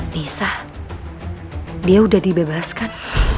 bisa dia udah dibebaskan